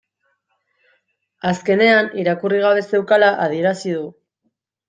Azkenean irakurri gabe zeukala adierazi du